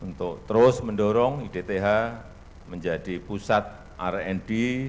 untuk terus mendorong idth menjadi pusat rnb